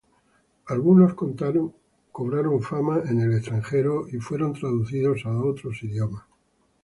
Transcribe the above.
Ambos cobraron fama en el extranjero y fueron traducidos a otros idiomas.